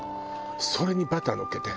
それにバターのっけて。